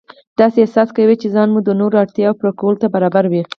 داسې احساس کوئ چې ځان مو د نورو اړتیاوو پوره کولو ته برابروئ.